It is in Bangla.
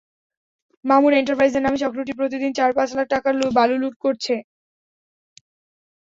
মামুন এন্টারপ্রাইজের নামে চক্রটি প্রতিদিন চার-পাঁচ লাখ টাকার বালু লুট করছে।